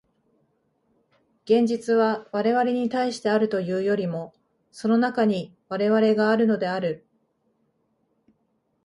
現実は我々に対してあるというよりも、その中に我々があるのである。